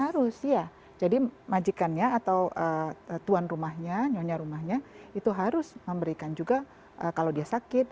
harus ya jadi majikannya atau tuan rumahnya nyonya rumahnya itu harus memberikan juga kalau dia sakit